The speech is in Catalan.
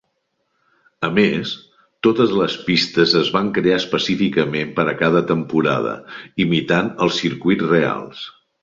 A més, totes les pistes es van crear específicament per a cada temporada, imitant els circuits reals.